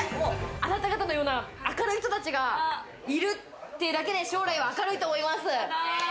あなた方のような明るい人たちがいるってだけで将来は明るいと思います。